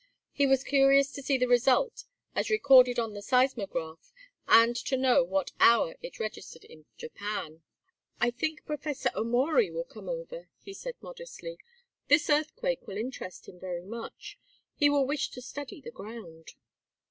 He was curious to see the result as recorded on the seismograph, and to know at what hour it registered in Japan. "I think Professor Omori will come over," he said, modestly. "This earthquake will interest him very much. He will wish to study the ground."